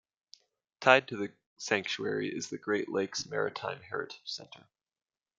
Tied to the sanctuary is the Great Lakes Maritime Heritage Center.